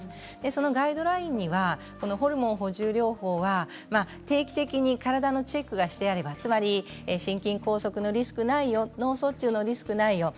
そのガイドラインにはホルモン補充療法は定期的に体のチェックがしてあればつまり心筋梗塞のリスクがないよ脳卒中のリスクないよ